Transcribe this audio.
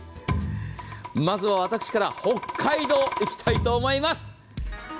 まずは私から北海道へ行きたいと思います。